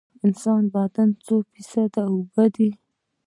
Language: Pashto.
د انسان بدن څو فیصده اوبه دي؟